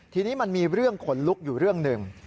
ทีนี้มันมีเรื่องขนลุกอยู่เรื่องหนึ่ง